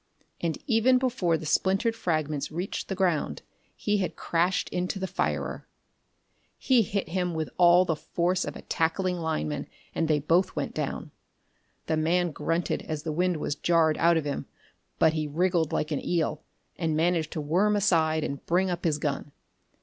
And even before the splintered fragments reached the ground he had crashed into the firer. He hit him with all the force of a tackling lineman, and they both went down. The man grunted as the wind was jarred out of him, but he wriggled like an eel and managed to worm aside and bring up his gun.